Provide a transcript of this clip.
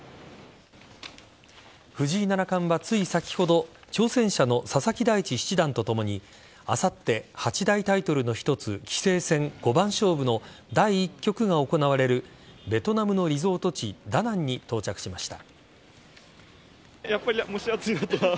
藤井七冠はつい先ほど挑戦者の佐々木大地七段とともにあさって、八大タイトルの一つ棋聖戦五番勝負の第１局が行われるベトナムのリゾート地ダナンに到着しました。